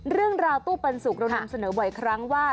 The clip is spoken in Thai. เรื่องราวตู้ปันสุกเรานำเสนอบ่อยครั้งว่า